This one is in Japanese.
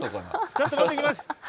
ちょっと持っていきます。